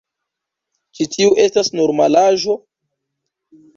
Ĉu tiu estas normalaĵo?